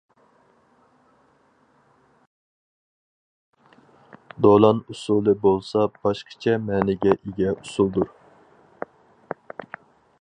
دولان ئۇسسۇلى بولسا باشقىچە مەنىگە ئىگە ئۇسسۇلدۇر.